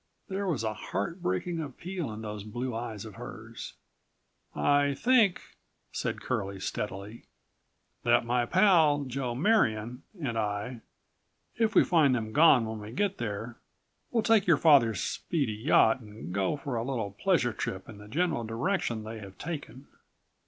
There was a heartbreaking appeal in those blue eyes of hers. "I think," said Curlie steadily, "that my pal, Joe Marion, and I, if we find them gone when we get there, will take your father's speedy yacht and go for a little pleasure trip in the general direction they have taken.